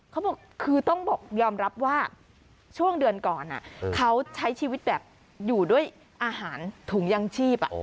เขาบอกคือต้องบอกยอมรับว่าช่วงเดือนก่อนเขาใช้ชีวิตแบบอยู่ด้วยอาหารถุงยังชีพ